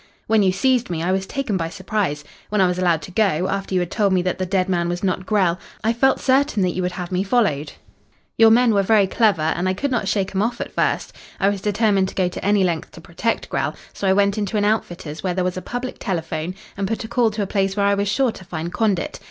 "When you seized me I was taken by surprise. When I was allowed to go, after you had told me that the dead man was not Grell, I felt certain that you would have me followed. Your men were very clever, and I could not shake 'em off at first. I was determined to go to any length to protect Grell, so I went into an outfitter's where there was a public telephone, and put a call to a place where I was sure to find Condit.